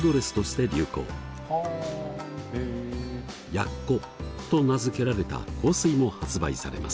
ＹＡＣＣＯと名付けられた香水も発売されます。